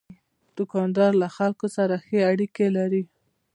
دوکاندار له خلکو سره ښې اړیکې لري.